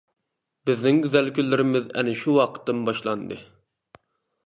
بىزنىڭ گۈزەل كۈنلىرىمىز ئەنە شۇ ۋاقىتتىن باشلاندى.